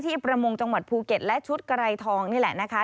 ประมงจังหวัดภูเก็ตและชุดไกรทองนี่แหละนะคะ